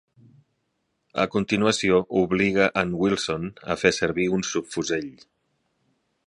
A continuació obliga en Wilson a fer servir un subfusell.